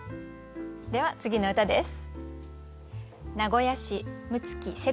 では次の歌です。